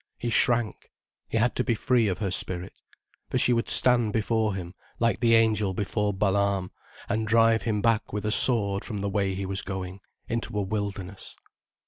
He shrank, he had to be free of her spirit. For she would stand before him, like the angel before Balaam, and drive him back with a sword from the way he was going, into a wilderness.